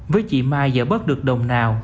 với chị mai giờ bớt được đồng nào